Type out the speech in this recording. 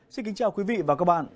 xin kính chào quý vị và các bạn